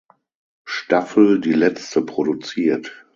Staffel die letzte produziert.